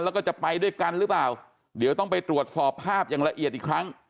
แล้วก็จะไปด้วยกันหรือเปล่าเดี๋ยวต้องไปตรวจสอบภาพอย่างละเอียดอีกครั้ง